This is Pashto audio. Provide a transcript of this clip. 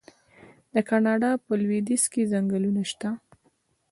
د کاناډا په لویدیځ کې ځنګلونه شته.